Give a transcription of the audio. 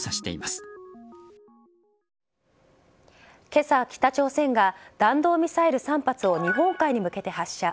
今朝、北朝鮮が弾道ミサイル３発を日本海に向けて発射。